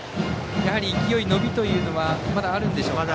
勢い、伸びというのはまだあるんでしょうか。